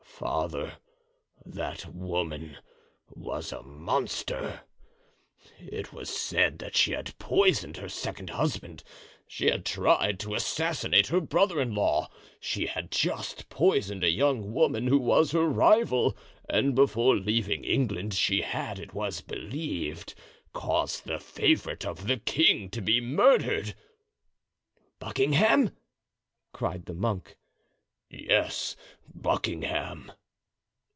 "Father, that woman was a monster. It was said that she had poisoned her second husband; she had tried to assassinate her brother in law; she had just poisoned a young woman who was her rival, and before leaving England she had, it was believed, caused the favorite of the king to be murdered." "Buckingham?" cried the monk. "Yes, Buckingham."